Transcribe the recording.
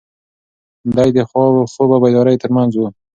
دی د خوب او بیدارۍ تر منځ و.